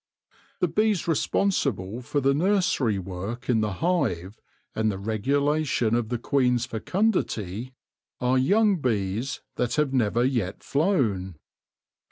The bees responsible for the nursery work in the hive and the regulation of the queen's fecundity, are young bees that have never yet flown.